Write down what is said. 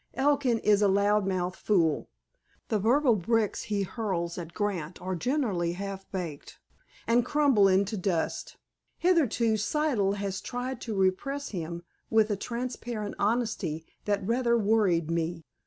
Elkin is a loud mouthed fool. The verbal bricks he hurls at Grant are generally half baked, and crumble into dust. Hitherto, Siddle has tried to repress him, with a transparent honesty that rather worried me.